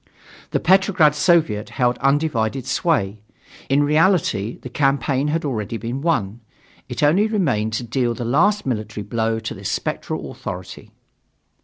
The Petrograd Soviet held undivided sway. In reality the campaign had already been won. It only remained to deal the last military blow to this spectral authority.